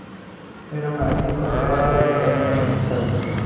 Era un artista sobrado y totalmente necesario.